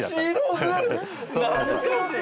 懐かしい！